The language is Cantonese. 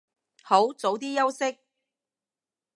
好，早啲休息